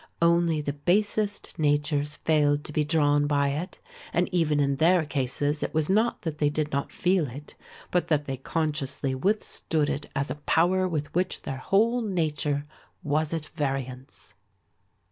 Only the basest natures failed to be drawn by it, and even in their cases it was not that they did not feel it, but that they consciously withstood it as a power with which their whole nature was at variance.